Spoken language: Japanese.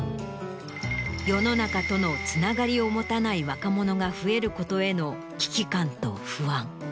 世の中とのつながりを持たない若者が増えることへの危機感と不安。